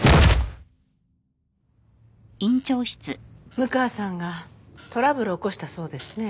六川さんがトラブルを起こしたそうですね。